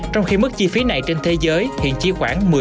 trong khi mức chi phí này trên thế giới hiện chiếm khoảng một mươi sáu